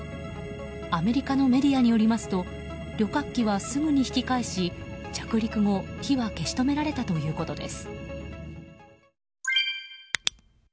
アメリカのメディアによりますと旅客機はすぐに引き返し着陸後、火は消し止められたということです。